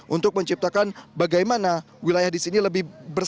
untuk menciptakan bagaimana wilayah di sini lebih bersih